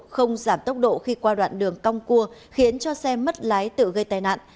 không giảm tốc độ khi qua đoạn đường cong cua khiến cho xe mất lái tự gây tai nạn